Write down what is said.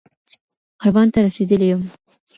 قربان ته رسېدلى يــم